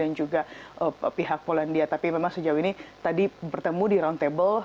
dan juga pihak polandia tapi memang sejauh ini tadi bertemu di round table